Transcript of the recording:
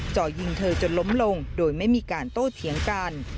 จ่อยิงเธอจนล้มลงโดยไม่มีการโต้เถียงกัน